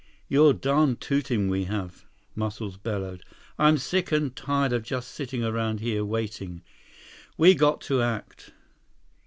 "You're darn tootin' we have," Muscles bellowed. "I'm sick and tired of just sitting around here, waiting. We got to act."